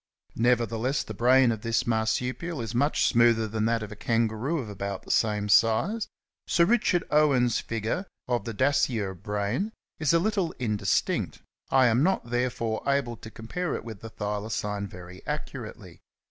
Nevertheless the brain of this Mar 4 supial is much smoother than that of a Kangaroo of about the same size. Sir Richard Owen's figure of the Dasyure's brain ^ is a little indistinct ; I am not therefore able to compare it with the Thylacine very accurately.